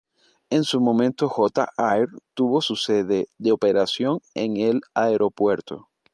En su momento J-Air tuvo su sede de operación en el aeropuerto.